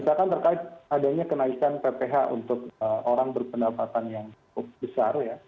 misalkan terkait adanya kenaikan pph untuk orang berpendapatan yang cukup besar ya